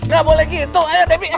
gak mau papa